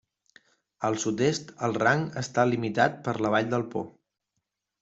Al sud-est el rang està limitat per la Vall del Po.